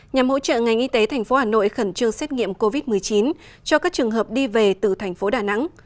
nhằm hỗ trợ ngành y tế tp hà nội khẩn trương xét nghiệm covid một mươi chín cho các trường hợp đi về từ thành phố đà nẵng